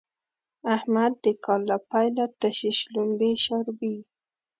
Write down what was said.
احمد د کال له پيله تشې شلومبې شاربي.